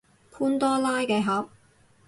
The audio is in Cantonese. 潘多拉嘅盒